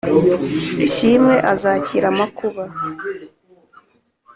ishimwe azakira amakuba